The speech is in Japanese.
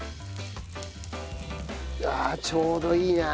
ああちょうどいいな今。